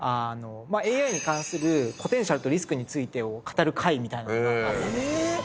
まあＡＩに関するポテンシャルとリスクについてを語る会みたいなものがあったんですけど。